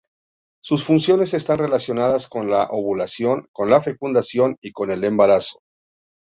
Sus funciones están relacionadas con la ovulación, con la fecundación y con el embarazo.